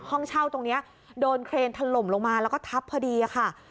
ห้องเช่าตรงนี้โดนเครนถล่มลงมาแล้วก็ทับพอดีค่ะ